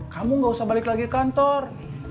kamu gak usah balik lagi ke kantor